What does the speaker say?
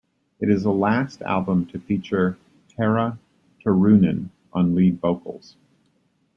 It is the last album to feature Tarja Turunen on lead vocals.